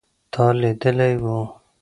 تا لیدلی و